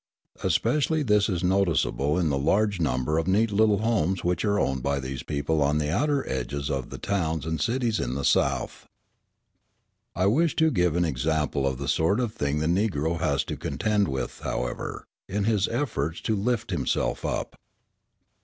Especially is this noticeable in the large number of neat little homes which are owned by these people on the outer edges of the towns and cities in the South. I wish to give an example of the sort of thing the Negro has to contend with, however, in his efforts to lift himself up.